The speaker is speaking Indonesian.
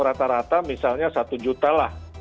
rata rata misalnya satu juta lah